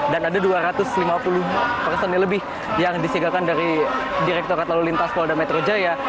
dan ada dua ratus lima puluh personel lebih yang disiagakan dari direkturat lalu lintas polda metro jaya